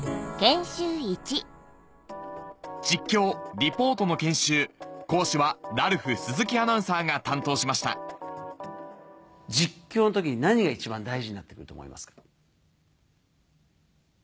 実況・リポートの研修講師はラルフ鈴木アナウンサーが担当しました実況の時に何が一番大事になってくると思いますか？